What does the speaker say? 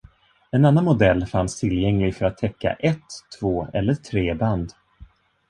En annan modell fanns tillgänglig för att täcka ett, två eller tre band.